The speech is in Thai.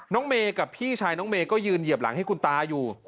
เมย์กับพี่ชายน้องเมย์ก็ยืนเหยียบหลังให้คุณตาอยู่